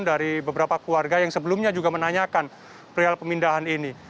dari beberapa keluarga yang sebelumnya juga menanyakan perihal pemindahan ini